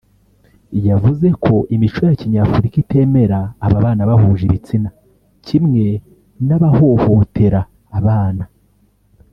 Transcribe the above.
yavuze ko imico ya kinyafurika itemera ababana bahuje ibitsina kimwe n’abahohotera abana